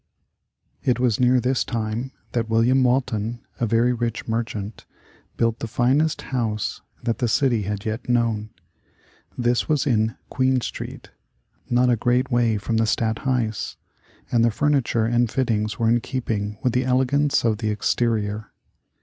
It was near this time that William Walton, a very rich merchant, built the finest house that the city had yet known. This was in Queen Street, not a great way from the Stadt Huys, and the furniture and fittings were in keeping with the elegance of the exterior.